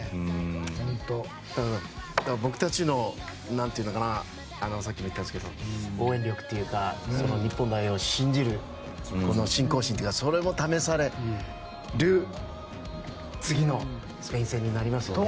僕たちのさっきも言ったんですけど応援力というか日本代表を信じる信仰心というかそれも試される次のスペイン戦になりますよね。